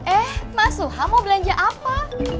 eh mas suha mau belanja apa